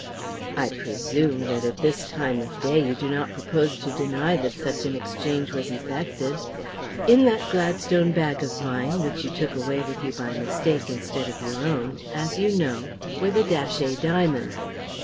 I presume that at this time of day you do not propose to deny that such an exchange was effected. In that Gladstone bag of mine, which you took away with you by mistake instead of your own, as you know, were the Datchet diamonds.